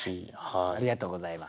ありがとうございます。